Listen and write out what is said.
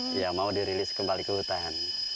tidak mau dirilis kembali ke hutan